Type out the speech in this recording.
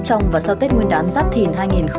trong và sau tết nguyên đán giáp thìn hai nghìn hai mươi bốn